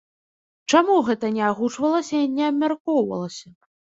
Чаму гэта не агучвалася і не абмяркоўвалася?